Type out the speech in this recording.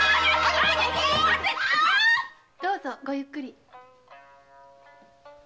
どうぞごゆっくり。